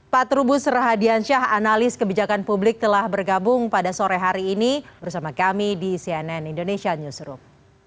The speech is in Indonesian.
pak trubus rahadiansyah analis kebijakan publik telah bergabung pada sore hari ini bersama kami di cnn indonesia newsroom